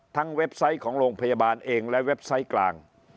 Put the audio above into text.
เว็บไซต์ของโรงพยาบาลเองและเว็บไซต์กลาง